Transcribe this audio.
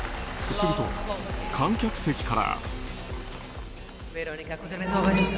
すると観客席から。